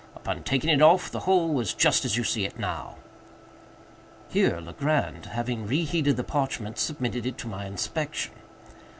Upon taking it off, the whole was just as you see it now." Here Legrand, having re heated the parchment, submitted it to my inspection.